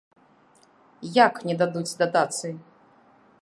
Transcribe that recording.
Як не дадуць датацый?!